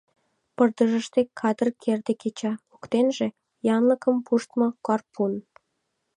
Пырдыжыште кадыр керде кеча, воктенже — янлыкым пуштмо гарпун.